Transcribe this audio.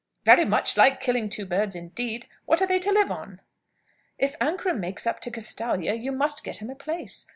"Very much like killing two birds, indeed! What are they to live on?" "If Ancram makes up to Castalia, you must get him a place.